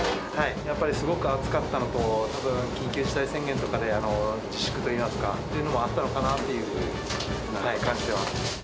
やっぱりすごく暑かったのと、たぶん、緊急事態宣言とかで自粛といいますか、っていうのもあったのかなっていうふうに感じてます。